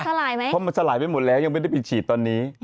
เพราะมันสลายไปหมดแล้วยังไม่ได้ไปฉีดตอนนี้